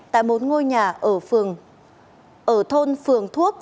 tại một ngôi nhà ở thôn phường thuốc